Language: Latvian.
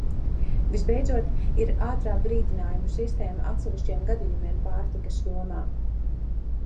Visbeidzot, ir ātrā brīdinājumu sistēma atsevišķiem gadījumiem pārtikas jomā.